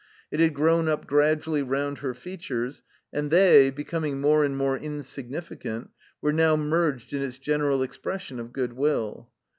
It had grown up gradually round her features, and they, becoming more and more insignificant, were now merged in its general expression of good will.